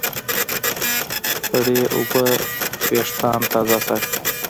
سړې اوبه وېښتيان تازه ساتي.